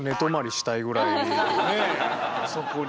あそこに。